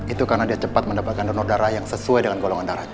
itu karena dia cepat mendapatkan donor darah yang sesuai dengan golongan darah